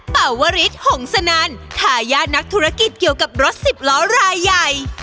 ป่าวริสหงสนั่นทายาทนักธุรกิจเกี่ยวกับรถสิบล้อรายใหญ่